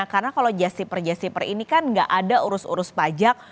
karena kalau justiper justiper ini kan gak ada urus urus pajak